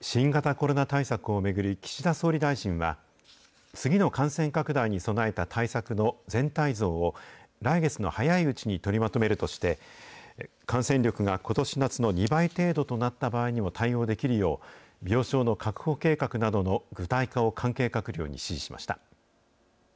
新型コロナ対策を巡り、岸田総理大臣は、次の感染拡大に備えた対策の全体像を、来月の早いうちに取りまとめるとして、感染力がことし夏の２倍程度となった場合にも対応できるよう、病床の確保計画などの具体化を関係閣僚に指示しました。